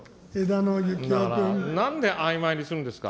だからなんであいまいにするんですか。